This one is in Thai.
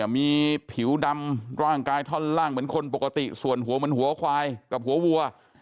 มีผิวดำร่างกายท่อนล่างเหมือนคนปกติส่วนหัวเหมือนหัวควายกับหัววัว